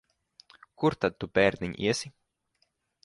Kur tad tu, bērniņ, iesi?